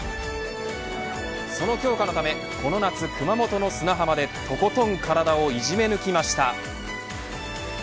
その強化のためこの夏、熊本の砂浜でとことん体をいじめ抜きました。